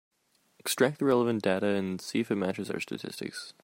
Extract the relevant data and see if it matches our statistics.